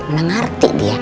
gak ngerti dia